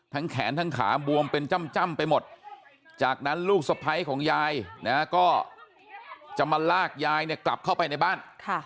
แขนทั้งขาบวมเป็นจ้ำไปหมดจากนั้นลูกสะพ้ายของยายนะก็จะมาลากยายเนี่ยกลับเข้าไปในบ้าน